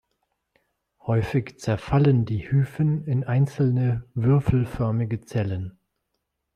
Häufig zerfallen die Hyphen in einzelne würfelförmige Zellen.